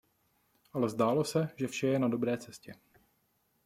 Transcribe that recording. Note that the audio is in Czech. Ale zdálo se, že vše je na dobré cestě.